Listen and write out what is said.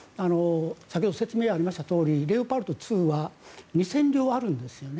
先ほど説明がありましたとおりレオパルト２は２０００両あるんですよね。